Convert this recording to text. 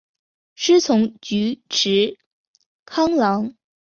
师从菊池康郎。